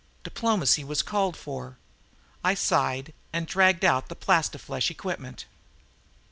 Diplomacy was called for. I sighed and dragged out the plastiflesh equipment.